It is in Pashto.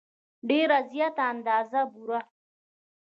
ډېره زیاته اندازه بوره.